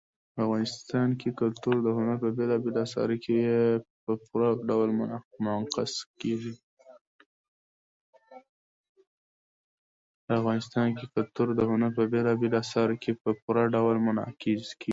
افغانستان کې کلتور د هنر په بېلابېلو اثارو کې په پوره ډول منعکس کېږي.